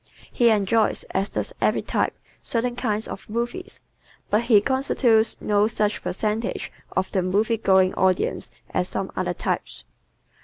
He enjoys, as does every type, certain kinds of movies, but he constitutes no such percentage of the movie going audience as some other types.